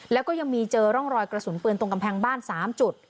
แล้วก็ยังมีเจอร่องรอยกระสุนปืนตรงกำแพงบ้าน๓จุด